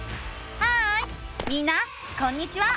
ハーイみんなこんにちは！